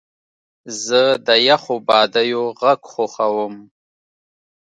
زه د یخو بادیو غږ خوښوم.